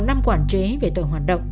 một năm quản chế về tội hoạt động